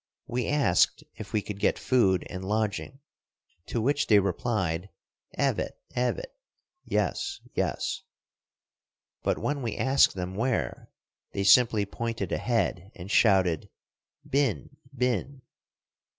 We asked if we could get food and lodging, to which they replied, "Evet, evet" ("Yes, yes"), but when we asked them where, they simply pointed ahead, and shouted, "Bin, bin!"